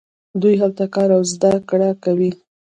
دوی هلته کار او زده کړه کوي.